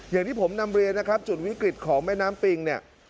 อย่างที่ผมนำเรียนนะครับจุดวิกฤตของแม่น้ำปิงเนี่ย